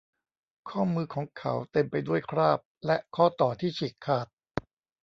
ข้อมือของเขาเต็มไปด้วยคราบและข้อต่อที่ฉีกขาด